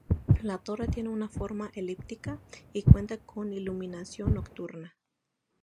La torre tiene una forma elíptica y cuenta con iluminación nocturna.